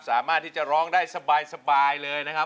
สามารถที่จะร้องได้สบายเลยนะครับ